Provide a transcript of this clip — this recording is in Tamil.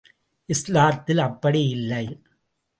இஸ்லாத்தில் அப்படி இல்லை.